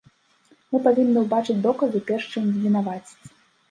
Мы павінны ўбачыць доказы, перш чым вінаваціць.